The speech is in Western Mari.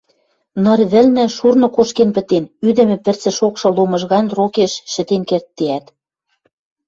Ныр вӹлнӹ шурны кошкен пӹтен, ӱдӹмӹ пӹрцӹ шокшы ломыж гань рокеш шӹтен керддеӓт